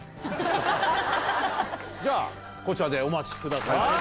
じゃあこちらでお待ちください。